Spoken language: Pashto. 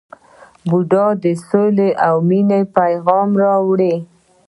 بودا د سولې او مینې پیغام راوړ.